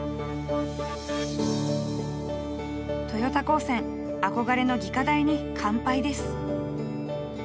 豊田高専憧れの技科大に完敗です。